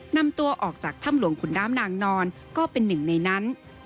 นำตัวออกจากถ้ำหลวงขุนน้ำนางนอนก็เป็นหนึ่งในนั้น